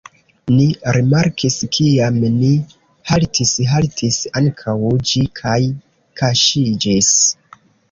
Ni rimarkis: kiam ni haltis, haltis ankaŭ ĝi kaj kaŝiĝis.